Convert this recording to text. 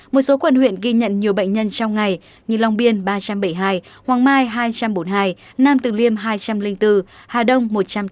một số quận huyện ghi nhận nhiều bệnh nhân trong ngày như long biên ba trăm bảy mươi hai hoàng mai hai trăm bốn mươi hai nam tử liêm hai trăm linh bốn hà đông một trăm tám mươi